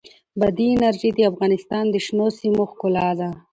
بادي انرژي د افغانستان د شنو سیمو ښکلا ده.